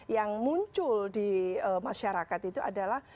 yang muncul di masyarakat itu adalah